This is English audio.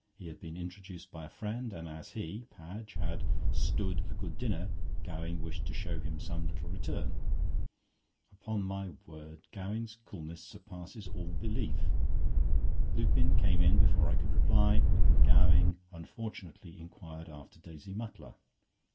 He had been introduced by a friend, and as he (Padge) had "stood" a good dinner, Gowing wished to show him some little return. Upon my word, Gowing's coolness surpasses all belief. Lupin came in before I could reply, and Gowing unfortunately inquired after Daisy Mutlar.